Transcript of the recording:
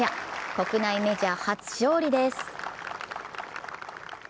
国内メジャー初勝利です。